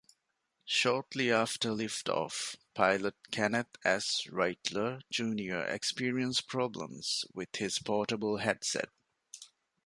Shortly after liftoff, pilot Kenneth S. Reightler Junior experienced problems with his portable headset.